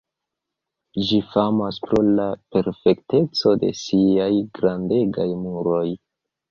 Ĝi famas pro la perfekteco de siaj grandegaj muroj.